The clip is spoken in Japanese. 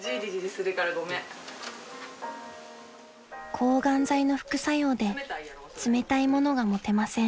［抗がん剤の副作用で冷たいものが持てません］